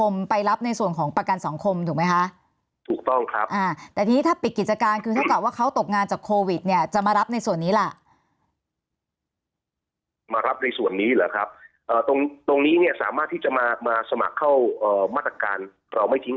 มารับในส่วนของตรงนี้เนี่ยสามารถที่จะมามาสมัครเข้ามาตรการเราไม่ทิ้ง